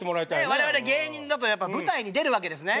我々芸人だとやっぱ舞台に出るわけですね。